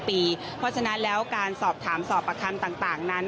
เพราะฉะนั้นแล้วการสอบถามสอบประคำต่างนั้น